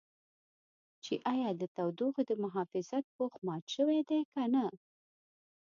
چې ایا د تودوخې د محافظت پوښ مات شوی دی که نه.